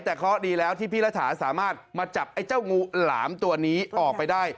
แต่เคราะห์ดีแล้วที่พี่รัฐาสามารถมาจับไอ้เจ้างูหลามตัวนี้ออกไปได้